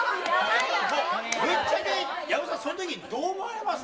ぶっちゃけ、矢尾さん、そのときどう思われました？